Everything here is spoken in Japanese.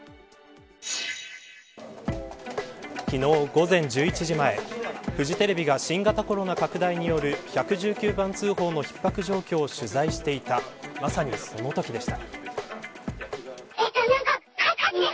昨日午前１１時前フジテレビが新型コロナ拡大による１１９番通報の逼迫状況を取材していたまさにそのときでした。